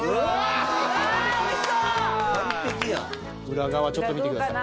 裏側ちょっと見てください。